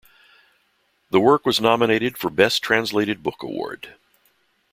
The work was nominated for Best Translated Book Award.